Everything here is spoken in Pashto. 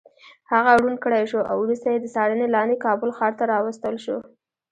هغه ړوند کړی شو او وروسته د څارنې لاندې کابل ښار ته راوستل شو.